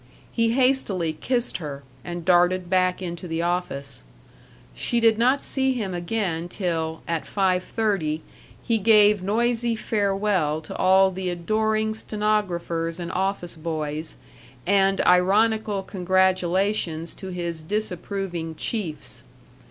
He hastily kissed her, and darted back into the office. She did not see him again till, at five thirty, he gave noisy farewell to all the adoring stenographers and office boys, and ironical congratulations to his disapproving chiefs.